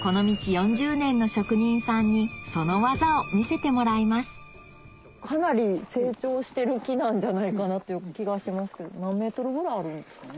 ４０年の職人さんにその技を見せてもらいますかなり成長してる木なんじゃないかなって気がしますけど何ｍぐらいあるんですかね？